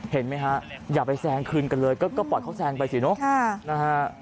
เห็นไหมครับอย่าไปแซงคืนกันเลยก็ปลอดเขาแซงไปสินะ